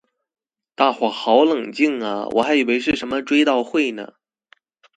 大伙好冷静啊我还以为是什么追悼会呢